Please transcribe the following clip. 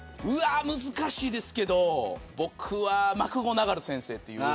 難しいですけど僕はマクゴナガル先生。